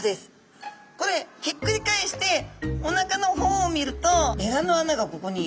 これひっくり返しておなかの方を見るとエラの穴がここに。